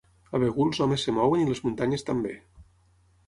A Begur els homes es mouen i les muntanyes també.